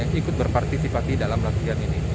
yang ikut berpartisipasi dalam latihan ini